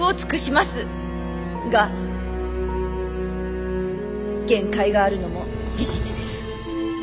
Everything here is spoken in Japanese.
が限界があるのも事実です。